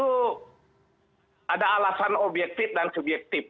itu ada alasan objektif dan subjektif